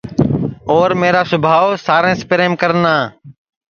اور میرا سوبھاو ساریںٚس پریم کرنا